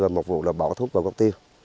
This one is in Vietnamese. và một vụ là bỏ thuốc vào gốc tiêu